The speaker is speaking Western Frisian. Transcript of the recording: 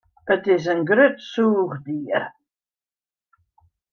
It is in grut sûchdier.